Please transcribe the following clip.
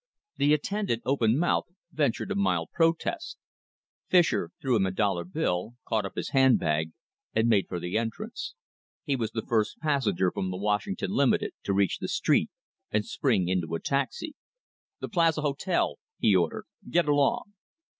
The attendant, open mouthed, ventured upon a mild protest. Fischer threw him a dollar bill, caught up his handbag, and made for the entrance. He was the first passenger from the Washington Limited to reach the street and spring into a taxi. "The Plaza Hotel," he ordered. "Get along."